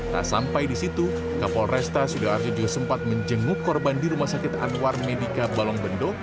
tak sampai di situ kapolresta sidoarjo juga sempat menjenguk korban di rumah sakit anwar medika balongbendo